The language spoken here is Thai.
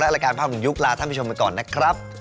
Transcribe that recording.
ภาพลงยุคลาท่านผู้ชมไปก่อนนะครับ